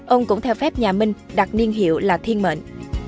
ông cũng theo phép nhà minh đặt niên hiệu là thiên mệnh